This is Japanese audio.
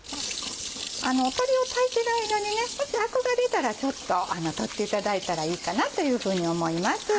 鶏を炊いてる間にあくが出たらちょっと取っていただいたらいいかなと思います。